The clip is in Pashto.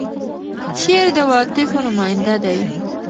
شعر د عواطفو نماینده دی.